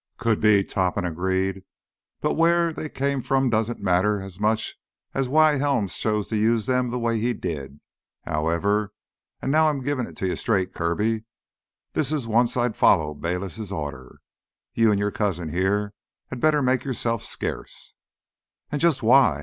"Could be," Topham agreed. "But where they came from doesn't matter as much as why Helms chose to use them the way he did. However—and now I'm giving it to you straight, Kirby—this is once I'd follow Bayliss' orders. You and your cousin here had better make yourselves scarce." "An' jus' why?"